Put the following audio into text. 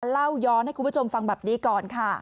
เล่าย้อนให้คุณผู้ชมฟังแบบนี้ก่อนค่ะ